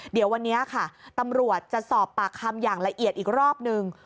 เดี๋ยววันนี้ค่ะตำรวจจะสอบปากคำอย่างละเอียดอีกรอบนึง